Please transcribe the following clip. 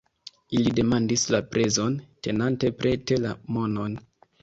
Ili demandis La prezon, tenante prete la monon.